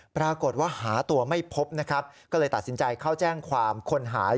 ปรากฏว่าหาตัวไม่พบนะครับก็เลยตัดสินใจเข้าแจ้งความคนหาย